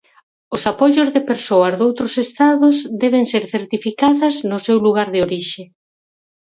Os apoios de persoas doutros Estados, deben ser certificadas no seu lugar de orixe.